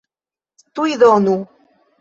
Tuj donu!